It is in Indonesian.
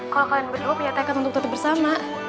kalau kalian berdua punya tekad untuk tutup bersama